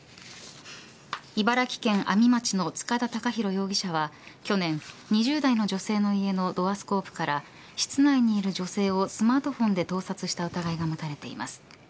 茨城県阿見町の塚田隆裕容疑者は去年、２０代の女性の家のドアスコープから室内にいる女性をスマートフォンで盗撮した疑いが持たれています。